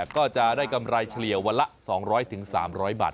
ก็จะได้กำไรเฉลี่ยวันละ๒๐๐๓๐๐บาท